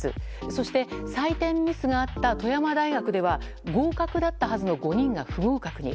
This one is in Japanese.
そして、採点ミスがあった富山大学では合格だったはずの５人が不合格に。